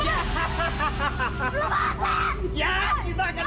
ya kita akan mencoba baru